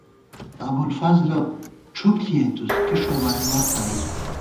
ابُوالفضلہ ڄُھپ ݪِیَئیتُوس، کی ݭوبانی وخت آئی